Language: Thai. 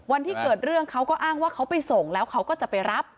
วันที่เกิดเรื่องเขาก็อ้างว่าเขาไปส่งแล้วเขาก็จะไปรับ